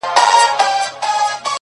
صبر تل قوت ورکوي.